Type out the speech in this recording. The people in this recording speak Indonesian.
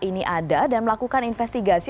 ini ada dan melakukan investigasi